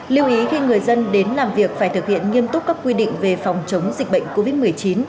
lưu ý khi người dân đến làm việc phải thực hiện nghiêm túc các quy định về phòng chống dịch bệnh covid một mươi chín